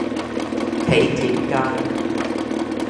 囍帖街